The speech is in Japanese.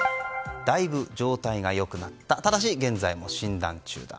だいぶ状態が良くなったただし現在も診断中だ。